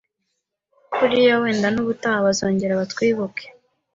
buriya wenda n’ubutaha bazongera batwibuke